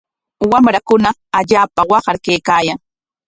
Wamrakuna allaapa waqar kaykaayan.